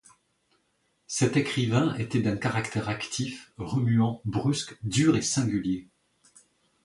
Cet écrivain était d'un caractère actif, remuant, brusque, dur et singulier.